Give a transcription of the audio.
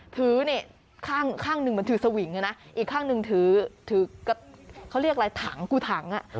ถือเนี่ยข้างหนึ่งเหมือนถือสวิงนะอีกข้างหนึ่งถือเขาเรียกอะไรถังกูถัง